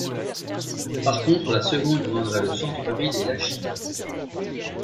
Par contre, la seconde joindrait le centre-ville et Lachine.